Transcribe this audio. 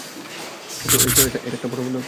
এইতো, একটা বড় পদক্ষেপ।